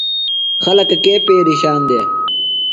خلکہ کے پیرشان دےۡ؟